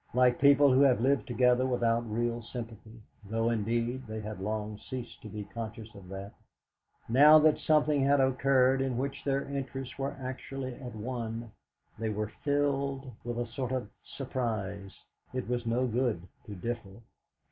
Like people who have lived together without real sympathy though, indeed, they had long ceased to be conscious of that now that something had occurred in which their interests were actually at one, they were filled with a sort of surprise. It was no good to differ.